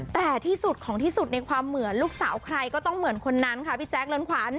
แต่ที่สุดของที่สุดในความเหมือนลูกสาวใครก็ต้องเหมือนคนนั้นค่ะพี่แจ๊คเลินขวัญ